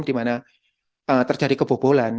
dimana terjadi kebobolan